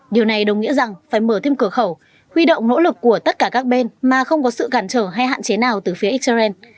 điều này đồng nghĩa rằng phải mở thêm cửa khẩu huy động nỗ lực của tất cả các bên mà không có sự cản trở hay hạn chế nào từ phía israel